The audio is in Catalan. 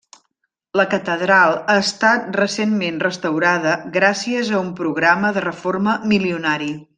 La catedral ha estat recentment restaurada gràcies a un programa de reforma milionari.